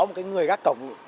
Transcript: một cái người gác cổng